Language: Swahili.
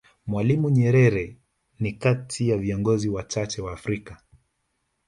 Mwalimu Nyerere ni kati ya viingozi wachache wa Afrika